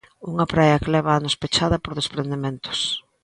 Unha praia que leva anos pechada por desprendementos.